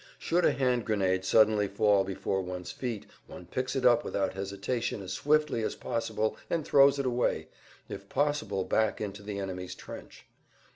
Should a hand grenade suddenly fall before one's feet one picks it up without hesitation as swiftly as possible and throws it away, if possible back into the enemy's trench.